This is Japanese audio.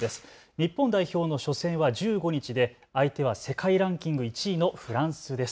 日本代表の初戦は１５日で相手は世界ランキング１位のフランスです。